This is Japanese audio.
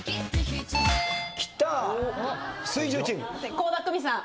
倖田來未さん。